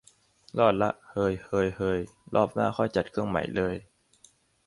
รอดละ เหย เหย เหย รอบหน้าค่อยจัดเครื่องใหม่เลย